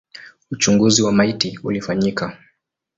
Uchunguzi wa maiti ulifanyika.